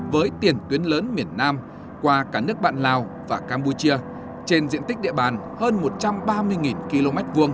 với tiền tuyến lớn miền nam qua cả nước bạn lào và campuchia trên diện tích địa bàn hơn một trăm ba mươi km hai